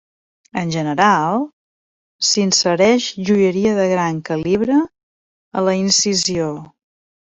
En general, s'insereix joieria de gran calibre a la incisió.